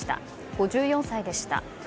５４歳でした。